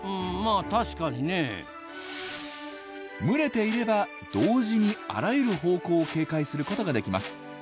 まあ確かにねぇ。群れていれば同時にあらゆる方向を警戒することができます。